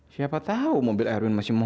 siapa tau mobil erwin masih mogok